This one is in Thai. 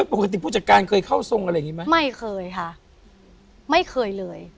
ไม่เคยค่ะไม่เคยเลย